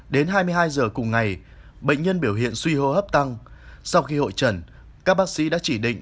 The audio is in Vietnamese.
đến hai mươi hai giờ cùng ngày bệnh nhân biểu hiện suy hô hấp tăng sau khi hội trần các bác sĩ đã chỉ định